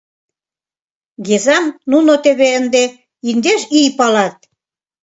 Гезам нуно теве ынде индеш ий палат.